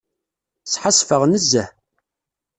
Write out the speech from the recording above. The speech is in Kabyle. Sḥassfeɣ nezzeh.